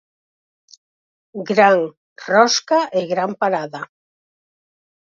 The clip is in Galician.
Gran rosca e gran parada.